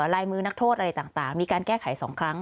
ลายมือนักโทษอะไรต่างมีการแก้ไข๒ครั้ง